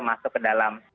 masuk ke dalam